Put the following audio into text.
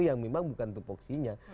yang memang bukan topoksinya